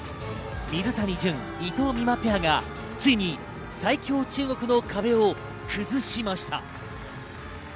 水谷隼・伊藤美誠ペアがついに最強・中国の壁を崩しました。